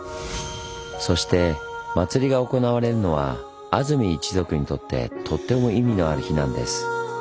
そして祭りが行われるのは安曇一族にとってとっても意味のある日なんです。